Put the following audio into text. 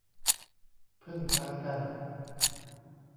พึ่งพากัน